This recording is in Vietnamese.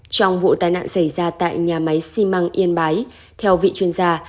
trong vụ tai nạn xảy ra tại nhà máy xi măng yên bái theo vị chuyên gia